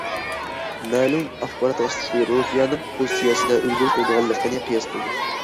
مەلۇم ئاخبارات ۋاسىتىسى رۇسىيەنىڭ پوزىتسىيەسىدە ئۆزگىرىش بولىدىغانلىقىنى قىياس قىلدى.